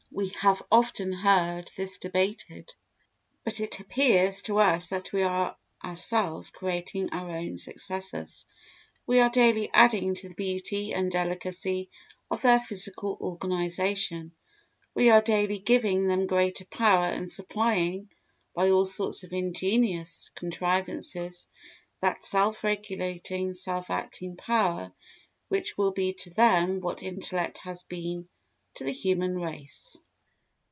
We have often heard this debated; but it appears to us that we are ourselves creating our own successors; we are daily adding to the beauty and delicacy of their physical organisation; we are daily giving them greater power and supplying, by all sorts of ingenious contrivances, that self regulating, self acting power which will be to them what intellect has been to the human race.